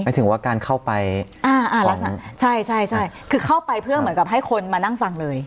หมายถึงว่าการเข้าไปของอ่าอ่าใช่คือเข้าไปเพื่อเหมือนกับให้คนมานั่งฟังเลย